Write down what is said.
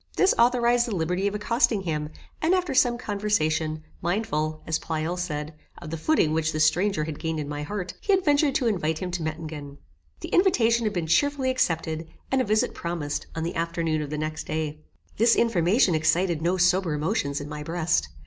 This authorised the liberty of accosting him, and after some conversation, mindful, as Pleyel said, of the footing which this stranger had gained in my heart, he had ventured to invite him to Mettingen. The invitation had been cheerfully accepted, and a visit promised on the afternoon of the next day. This information excited no sober emotions in my breast.